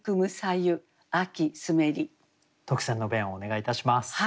特選の弁をお願いいたします。